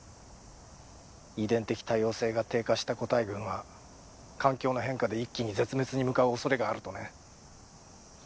遺伝的多様性が低下した個体群は環境の変化で一気に絶滅に向かう恐れがあるとね。